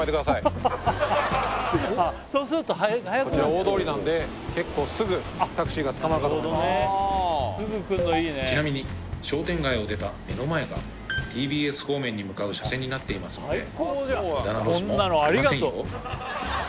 こちら大通りなので結構すぐタクシーが捕まるかと思いますのでちなみに商店街を出た目の前がＴＢＳ方面に向かう車線になっていますので無駄なロスもありませんよ